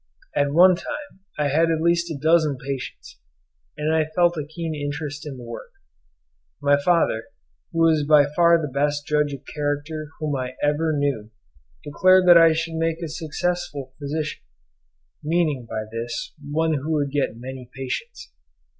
At one time I had at least a dozen patients, and I felt a keen interest in the work. My father, who was by far the best judge of character whom I ever knew, declared that I should make a successful physician,—meaning by this one who would get many patients.